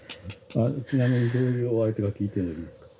ちなみにどういうお相手か聞いてもいいですか？